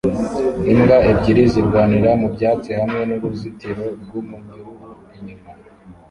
Imbwa ebyiri zirwanira mu byatsi hamwe nuruzitiro rwumunyururu inyuma